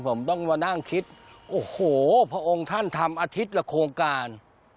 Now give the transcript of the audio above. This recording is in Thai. ผมต้องมานั่งคิดโอ้โหพระองค์ท่านทำอาทิตย์ละโครงการ